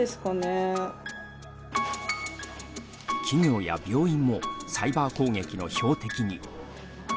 企業や病院もサイバー攻撃の標的に。